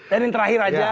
dan yang terakhir aja